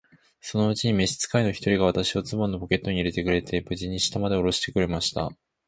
そのうちに召使の一人が、私をズボンのポケットに入れて、無事に下までおろしてくれました。